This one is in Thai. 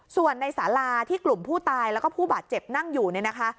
ส่วนในสาราที่กลุ่มผู้ตายแล้วก็ผู้บาดเจ็บนั่งอยู่เนี่ยนะคะ